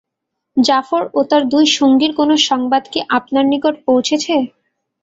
জাফর ও তাঁর দুই সঙ্গীর কোন সংবাদ কি আপনার নিকট পৌঁছেছে?